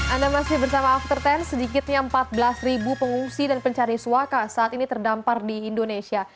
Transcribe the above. anda masih bersama after sepuluh sedikitnya empat belas pengungsi dan pencari suaka saat ini terdampar di indonesia